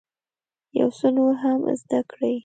یو څه نور هم زده کړئ.